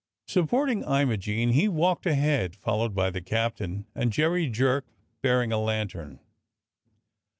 Supporting Imogene, he walked ahead, followed by the captain and Jerry Jerk bearing a lantern.